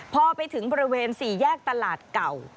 พอไปถึงบริเวณ๔แยกตลาดเก่า